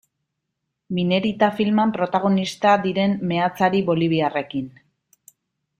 Minerita filman protagonista diren meatzari boliviarrekin.